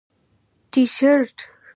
👕 تیشرت